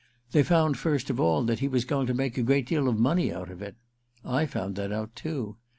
They found first of all that he was going to make a great deal of money out of it. I found that out too.